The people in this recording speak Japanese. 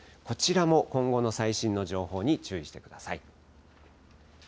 こちらも今後の最新の情報に注意してください。